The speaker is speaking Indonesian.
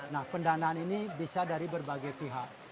nah pendanaan ini bisa dari berbagai pihak